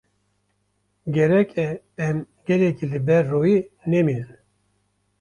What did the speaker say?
Gerek e em gelekî li ber royê nemînin.